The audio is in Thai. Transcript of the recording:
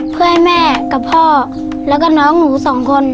เพื่อให้แม่กับพ่อแล้วก็น้องหนูสองคน